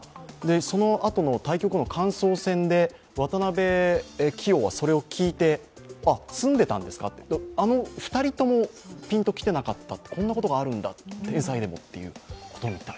そのあとの対局の感想戦で渡辺棋王がそれを聞いて、詰んでたんですかとあの２人ともピンときてなかった、こんなことが天才でもあるんだと。